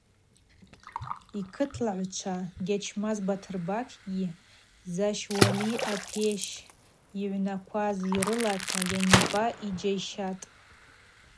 Йкытлагӏвчва Гьазмач Батыргьарии Защ Уалии апещ йыгӏвнакваз йрылата йаниба йджьайщатӏ.